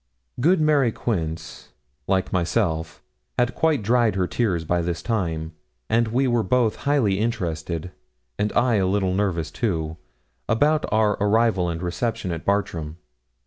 Good Mary Quince, like myself, had quite dried her tears by this time, and we were both highly interested, and I a little nervous, too, about our arrival and reception at Bartram.